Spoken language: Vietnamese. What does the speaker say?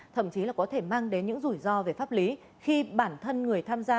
thậm chí là có thể mang đến những rủi ro về pháp lý khi bản thân người tham gia